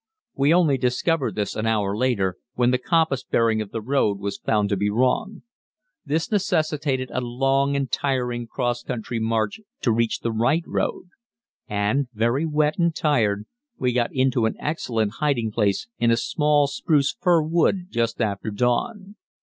We only discovered this an hour later, when the compass bearing of the road was found to be wrong. This necessitated a long and tiring cross country march to reach the right road; and, very wet and tired, we got into an excellent hiding place in a small spruce fir wood just after dawn.